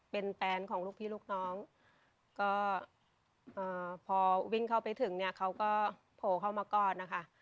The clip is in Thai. เป็นแฟนของลูกพี่ลูกน้องก็พอวิ่งเข้าไปถึงเนี่ยเขาก็โผล่เข้ามากอดนะคะ